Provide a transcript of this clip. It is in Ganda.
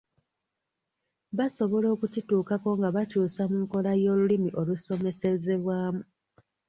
Basobola okukituukako nga bakyusa mu nkola y’olulimi olusomesezebwamu.